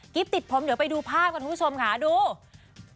ติดผมเดี๋ยวไปดูภาพกันคุณผู้ชมค่ะดู